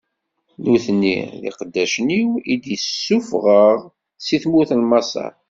Nutni, d iqeddacen-iw, i d-ssufɣeɣ si tmurt n Maṣer.